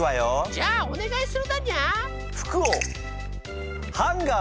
じゃあお願いするだにゃー。